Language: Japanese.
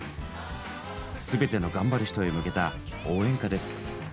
すべての頑張る人へ向けた応援歌です。